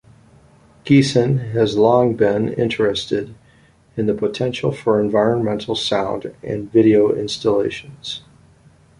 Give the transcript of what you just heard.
Geesin has long been interested in the potential for environmental sound and video installations.